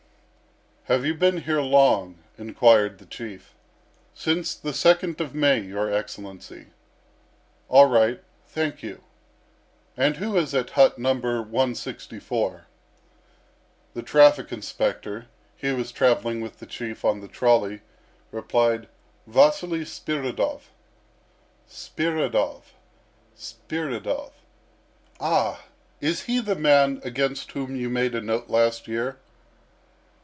"Have you been here long?" inquired the Chief. "Since the second of May, your Excellency." "All right. Thank you. And who is at hut No. 164?" The traffic inspector (he was travelling with the Chief on the trolley) replied: "Vasily Spiridov." "Spiridov, Spiridov... Ah! is he the man against whom you made a note last year?"